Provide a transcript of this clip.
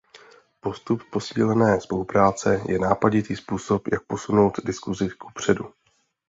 Postup posílené spolupráce je nápaditý způsob, jak posunout diskusi kupředu.